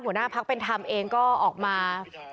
หัวหน้าพักเป็นธรรมเองก็ออกมา